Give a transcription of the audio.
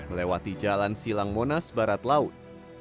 melewati jalan silang monas barat laut